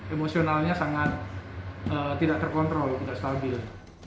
emosionalnya sangat tidak terkontrol tidak stabil